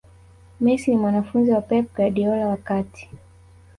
messi ni mwanafunzi wa pep guardiola wakati